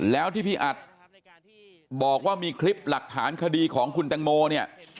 แล้วที่พี่อัดบอกว่ามีคลิปหลักฐานคดีของคุณตังโมเนี่ย